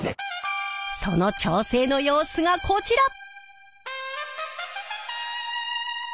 その調整の様子がこちら！